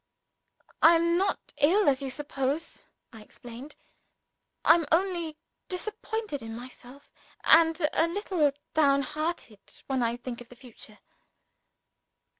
"I am not ill as you suppose," I explained. "I am only disappointed in myself, and a little downhearted when I think of the future."